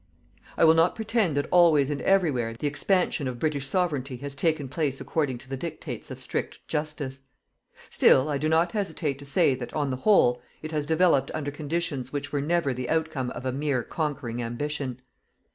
I will not pretend that always and everywhere the expansion of British Sovereignty has taken place according to the dictates of strict justice. Still I do not hesitate to say that, on the whole, it has developed under conditions which were never the outcome of a mere conquering ambition.